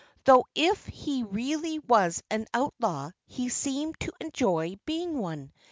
Though if he really was an outlaw he seemed to enjoy being one.